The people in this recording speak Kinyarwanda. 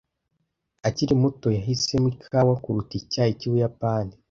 Akiri muto, yahisemo ikawa kuruta icyayi cy'Ubuyapani.